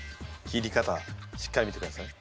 切り方しっかり見てください。